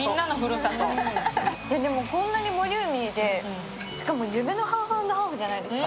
こんなにボリューミーで、しかも夢のハーフ＆ハーフじゃないですか。